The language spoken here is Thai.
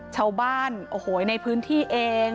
ชาวบ้านโอ้โหในพื้นที่เอง